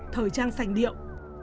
thời trang sành điệu